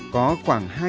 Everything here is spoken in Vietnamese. có khoảng hai nhân dân